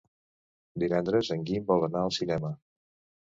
Divendres en Guim vol anar al cinema.